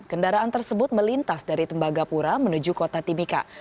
kendaraan tersebut melintas dari tembagapura menuju kota timika